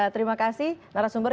terima kasih narasumber